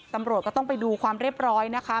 ตำรวจก็ต้องไปดูความเรียบร้อยนะคะ